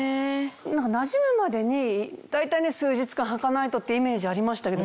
何かなじむまでに大体数日間はかないとってイメージありましたけど。